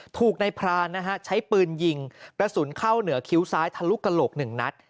ถูกนายพรานนะฮะใช้ปืนยิงกระสุนเข้าเหนือคิ้วซ้ายทะลุกระโหลก๑นัด